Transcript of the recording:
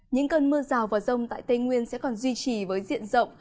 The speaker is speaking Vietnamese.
những cơn mưa rào và rông tại tây nguyên sẽ còn duy trì với diện rộng